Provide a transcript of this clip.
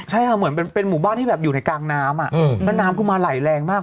ใช่ค่ะเหมือนเป็นหมู่บ้านที่แบบอยู่ในกลางน้ำแล้วน้ำก็มาไหลแรงมาก